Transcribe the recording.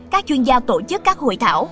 các chuyên gia tổ chức các hội thảo